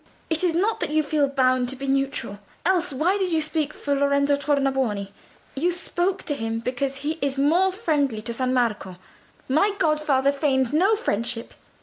"It is not that you feel bound to be neutral; else why did you speak for Lorenzo Tornabuoni? You spoke for him because he is more friendly to San Marco; my godfather feigns no friendship.